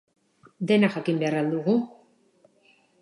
Dena jakin behar al dugu?